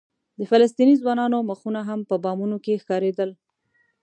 د فلسطیني ځوانانو مخونه هم په بامونو کې ښکارېدل.